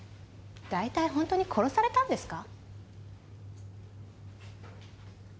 大体本当に殺されたんですか？